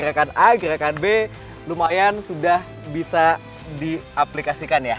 gerakan a gerakan b lumayan sudah bisa diaplikasikan ya